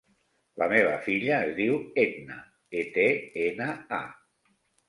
La meva filla es diu Etna: e, te, ena, a.